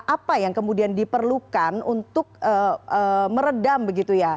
apa yang kemudian diperlukan untuk meredam begitu ya